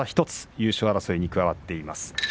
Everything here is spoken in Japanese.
優勝争いに加わっています。